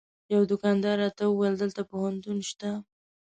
یوه دوکاندار راته وویل دلته پوهنتون شته.